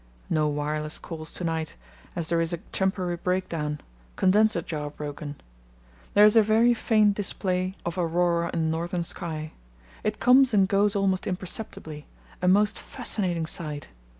No wireless calls to night, as there is a temporary breakdown—condenser jar broken. There is a very faint display of aurora in northern sky. It comes and goes almost imperceptibly, a most fascinating sight.